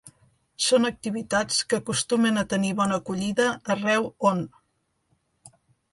Són activitats que acostumen a tenir bona acollida arreu on.